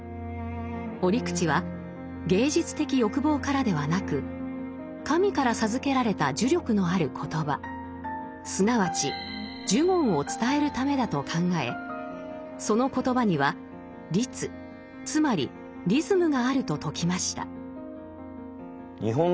折口は芸術的欲望からではなく神から授けられた呪力のある言葉すなわち「呪言」を伝えるためだと考えその言葉には「律」つまりリズムがあると説きました。